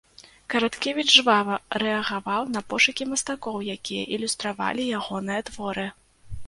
Караткевіч жвава рэагаваў на пошукі мастакоў, якія ілюстравалі ягоныя творы.